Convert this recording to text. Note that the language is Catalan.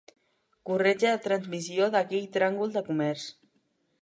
Corretja de transmissió, d'aquell tràngol de comerç